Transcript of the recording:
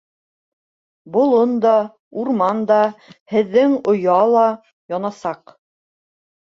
Болон да, урман да, һеҙҙең оя ла янасаҡ...